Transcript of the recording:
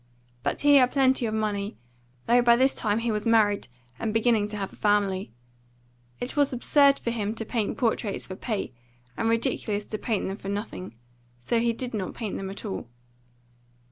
But he had plenty of money, though by this time he was married and beginning to have a family. It was absurd for him to paint portraits for pay, and ridiculous to paint them for nothing; so he did not paint them at all.